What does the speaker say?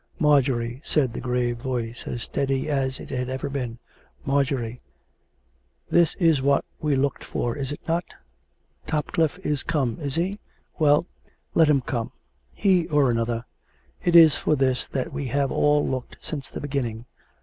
" Marjorie," said the grave voice, as steady as it had ever been, " Marjorie. This is what we looked for, is it not? ... Topcliffe is come, is he? Well, let him come. He or anotlier. It is for this that we have all looked since the beginning.